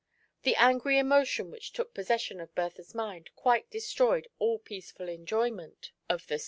The angry emotion which took possession of Bertha's mind quite destroyed all peaceful enjoyment of the 84 SUNDAY AT DOVE's NEST.